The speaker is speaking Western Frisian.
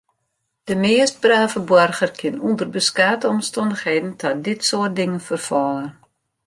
De meast brave boarger kin ûnder beskate omstannichheden ta dit soart dingen ferfalle.